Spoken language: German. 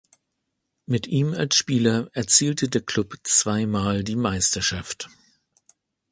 Mit ihm als Spieler erzielte der Club zwei Mal die Meisterschaft.